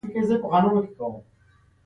قلم د عقل استازی دی.